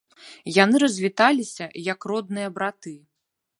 Яны развіталіся, як родныя браты.